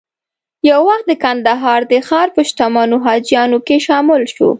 یو وخت د کندهار د ښار په شتمنو حاجیانو کې شامل شو.